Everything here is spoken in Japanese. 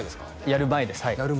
やる前ですはい